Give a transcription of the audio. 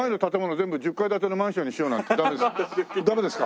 全部１０階建てのマンションにしようなんてダメダメですか？